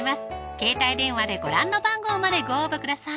携帯電話でご覧の番号までご応募ください